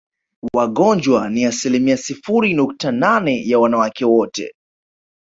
Wagonjwa ni asilimia sifuri nukta nane ya wanawake wote